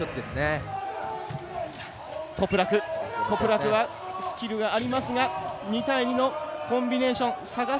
トプラクはスキルがありますが２対２のコンビネーション。